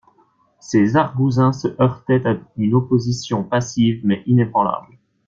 Ses argousins se heurtaient à une opposition passive, mais inébranlable.